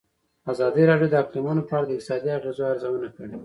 ازادي راډیو د اقلیتونه په اړه د اقتصادي اغېزو ارزونه کړې.